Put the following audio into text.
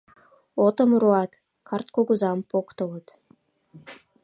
Отым руат, карт кугызам поктылыт.